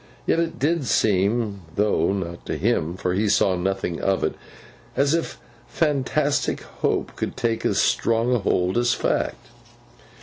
Yet it did seem (though not to him, for he saw nothing of it) as if fantastic hope could take as strong a hold as Fact.